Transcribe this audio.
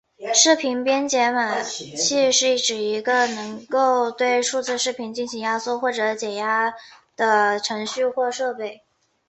视频编解码器是指一个能够对数字视频进行压缩或者解压缩的程序或者设备。